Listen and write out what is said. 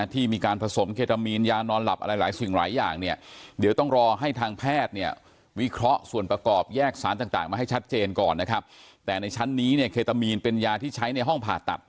ที่มีการผสมเครตามีนยานอนหลับอะไรหลายอย่าง